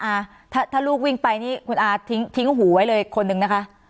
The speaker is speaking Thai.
อ่าถ้าถ้าลูกวิ่งไปนี่คุณอาทิ้งทิ้งหูไว้เลยคนนึงนะคะ